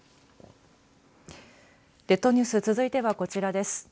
列島ニュース続いてはこちらです。